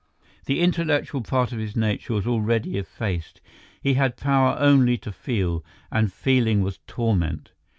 The intellectual part of his nature was already effaced; he had power only to feel, and feeling was torment.